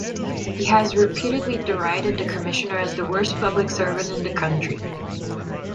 He has repeatedly derided the commissioner as the worst public servant in the country.